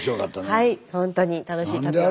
はい本当に楽しい旅で。